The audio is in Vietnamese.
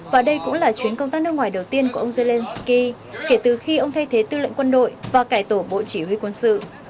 và đây cũng là chuyến công tác nước ngoài đầu tiên của ông zelensky kể từ khi ông thay thế tư lệnh quân đội và cải tổ bộ chỉ huy quân sự